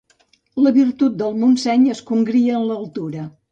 La virtut del Montseny es congria en l'altura.